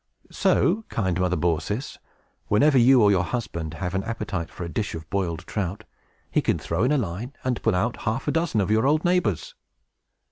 So, kind Mother Baucis, whenever you or your husband have an appetite for a dish of broiled trout, he can throw in a line, and pull out half a dozen of your old neighbors!"